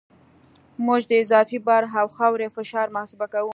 موږ د اضافي بار او خاورې فشار محاسبه کوو